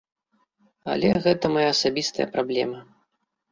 Але гэта мая асабістая праблема.